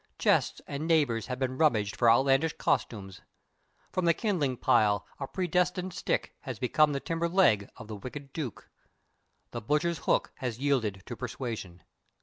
Chests and neighbors have been rummaged for outlandish costumes. From the kindling pile a predestined stick has become the timber leg of the wicked Duke. The butcher's hook has yielded to persuasion.